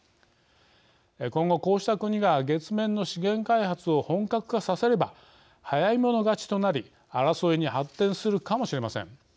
今後こうした国が月面の資源開発を本格化させれば早い者勝ちとなり争いに発展するかもしれません。